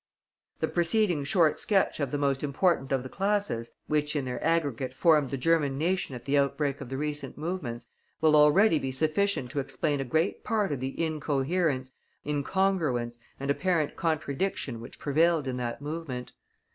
The preceding short sketch of the most important of the classes, which in their aggregate formed the German nation at the outbreak of the recent movements, will already be sufficient to explain a great part of the incoherence, incongruence, and apparent contradiction which prevailed in that movement.